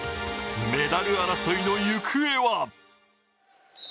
メダル争いの行方は！